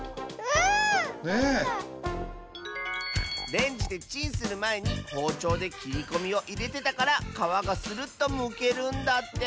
レンジでチンするまえにほうちょうできりこみをいれてたからかわがスルッとむけるんだって。